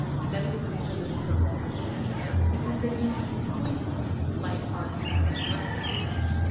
Medicines for this purpose are dangerous, because they contain poisons, like arsenic and mercury.